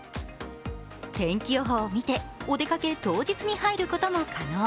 天気予報を見て、お出かけ当日に入ることも可能。